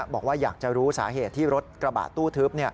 บอกว่าอยากจะรู้สาเหตุที่รถกระบะตู้ทึบ